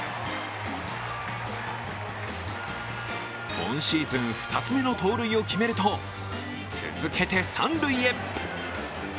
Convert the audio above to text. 今シーズン２つめの盗塁を決めると続けて三塁へ。